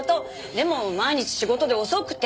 でも毎日仕事で遅くて。